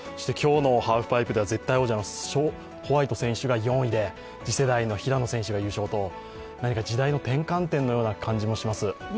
今日のハーフパイプでは絶対王者のショーン・ホワイト選手が４位で次世代の平野選手が優勝と、何か時代の転換点のような気がします。